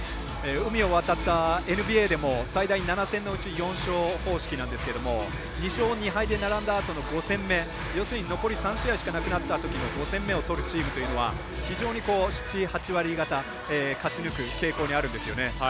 海を渡ったＮＢＡでも最大７戦のうち４勝方式なんですが２勝２敗で並んだあとの５戦目要するに残り３試合となったときに試合を取るチームというのは非常に７８割方勝ち抜く傾向にあるんですよね。